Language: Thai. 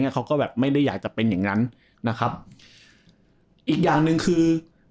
เขาก็แบบไม่ได้อยากจะเป็นอย่างนั้นนะครับอีกอย่างหนึ่งคือ